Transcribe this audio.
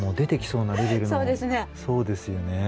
そうですよね。